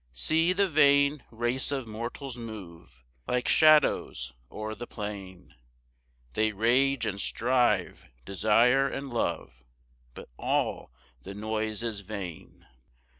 3 See the vain race of mortals move Like shadows o'er the plain; They rage and strive, desire and love, But all the noise is vain.